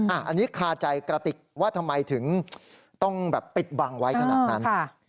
อันนี้คาใจกระติกว่าทำไมถึงต้องแบบปิดบังไว้ขนาดนั้น